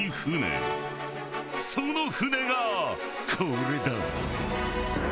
その舟がこれだ。